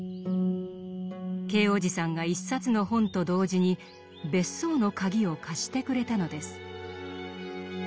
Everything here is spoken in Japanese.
Ｋ伯父さんが一冊の本と同時に別荘の鍵を貸してくれたのです。